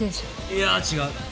いや違う。